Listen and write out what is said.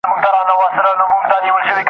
هره تېږه من نه ده !.